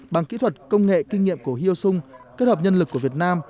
bằng kỹ thuật công nghệ kinh nghiệm của hyo sung kết hợp nhân lực của việt nam